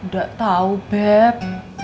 gak tau beb